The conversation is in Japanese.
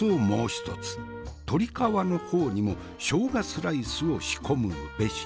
鶏皮の方にも生姜スライスを仕込むべし。